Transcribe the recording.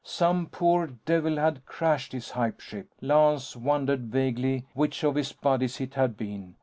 Some poor devil had crashed his hype ship. Lance wondered vaguely which of his buddies it had been.